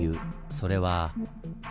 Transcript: それは。